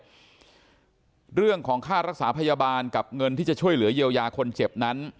ในเรื่องของค่ารักษาพยาบาลซักอย่างเงินที่จะช่วยเหลือยาพวกคนเจ็บ